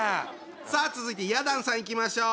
さあ続いてや団さんいきましょう。